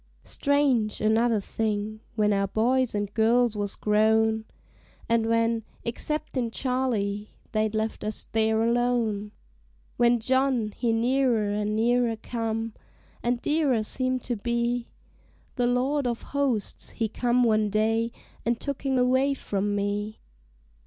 Strange, another thing: when our boys an' girls was grown, And when, exceptin' Charley, they'd left us there alone; When John he nearer an' nearer come, an' dearer seemed to be, The Lord of Hosts he come one day an' took him away from me.